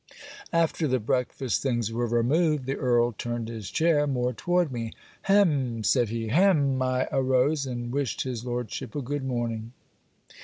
After the breakfast things were removed, the Earl turned his chair more toward me. 'Hem,' said he, 'Hem!' I arose and wished his lordship a good morning.